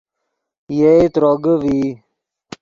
یئے تروگے ڤئی